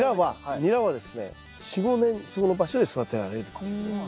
ニラはですね４５年そこの場所で育てられるっていうことですね。